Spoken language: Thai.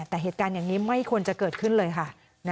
แต่เหตุการณ์อย่างนี้ไม่ควรจะเกิดขึ้นเลยค่ะ